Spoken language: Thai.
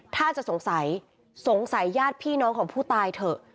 ถ้าจะสงสัยสงสัยญาติพี่น้องของผู้ตายเถอะ